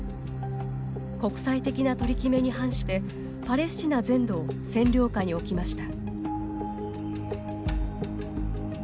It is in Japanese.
国際的な取り決めに反してパレスチナ全土を占領下に置きました。